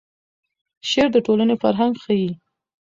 شعر د ټولنې فرهنګ ښیي.